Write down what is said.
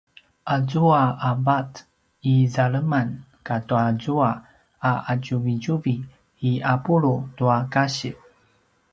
azua a vat i zaleman katazua a ’atjuvitjuvi i ’apulu tua kasiv